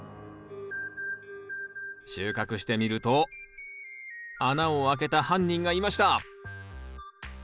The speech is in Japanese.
収穫してみると穴を開けた犯人がいました！